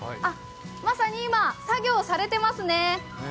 まさに今、作業されていますね。